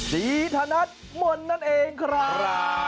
สีถนัดหมดนั่นเองครับ